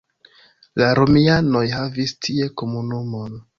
La romianoj havis tie komunumon.